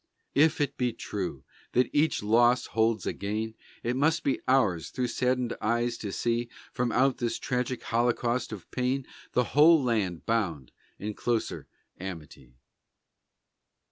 If it be true that each loss holds a gain, It must be ours through saddened eyes to see From out this tragic holocaust of pain The whole land bound in closer amity!